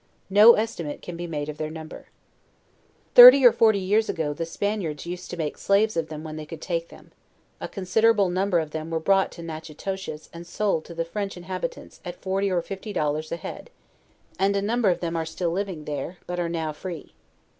No estimate can be made of their number. Thirty or forty years ago the Spaniards used to make slaves of them when they could take them; a considerable number of them were brought to Natchitoches and sold tc 148 JOURNAL OF the French inhabitants at forty or fifty dollars a head, and a number of them are still Jiving here, but are now free.